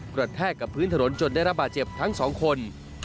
แทกกับพื้นถนนจนได้รับบาดเจ็บทั้งสองคน